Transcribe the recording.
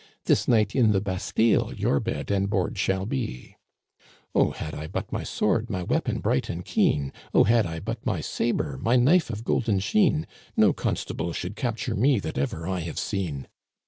This night in the Bastile your bed and board shall be !'"' Oh, had I but my sword, my weapon bright and keen, Oh, had I but my saber, my knife of golden sheen. No constable could capture me that ever I have seen